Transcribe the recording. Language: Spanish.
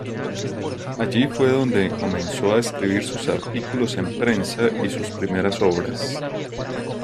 Allí fue donde comenzó a escribir sus artículos en prensa y sus primeras obras.